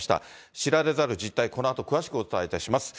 知られざる実態、このあと詳しくお伝えいたします。